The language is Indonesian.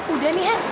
udah nih han